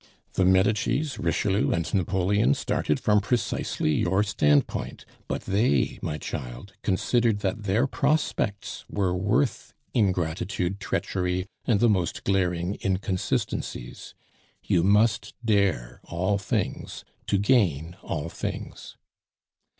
The Medicis, Richelieu, and Napoleon started from precisely your standpoint; but they, my child, considered that their prospects were worth ingratitude, treachery, and the most glaring inconsistencies. You must dare all things to gain all things.